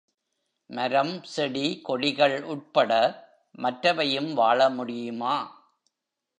மரம் செடி கொடிகள் உட்பட மற்றவையும் வாழமுடியுமா?